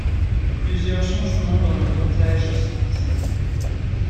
Plusieurs changements dans le montage sont visibles.